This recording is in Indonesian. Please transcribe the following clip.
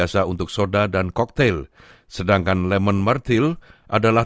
jadi saya berpikir tentang kuangdong davison plum